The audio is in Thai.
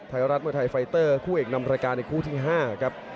ไทยรัฐมวยไทยไฟเตอร์คู่เอกนำรายการในคู่ที่๕ครับ